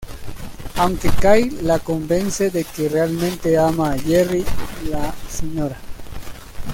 Aunque Kay la convence de que realmente ama a Jerry, la Sra.